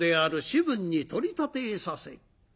士分に取り立てさせ」。